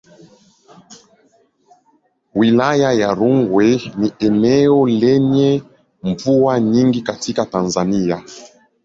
Wilaya ya Rungwe ni eneo lenye mvua nyingi katika Tanzania.